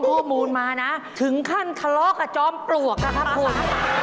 ข้อมูลมานะถึงขั้นทะเลาะกับจอมปลวกนะครับคุณ